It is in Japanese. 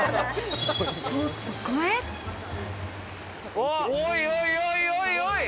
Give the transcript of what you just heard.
おいおい、おいおい！